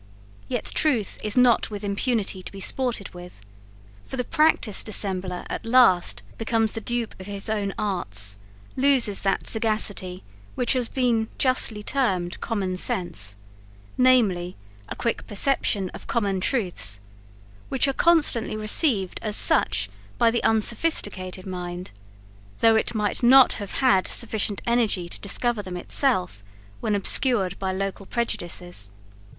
Yet truth is not with impunity to be sported with, for the practised dissembler, at last, becomes the dupe of his own arts, loses that sagacity which has been justly termed common sense; namely, a quick perception of common truths: which are constantly received as such by the unsophisticated mind, though it might not have had sufficient energy to discover them itself, when obscured by local prejudices.